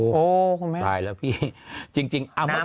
โอ้โฮคุณแม่ได้แล้วพี่